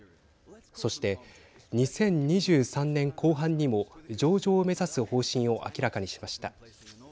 そして２０２３年後半にも上場を目指す方針を明らかにしました。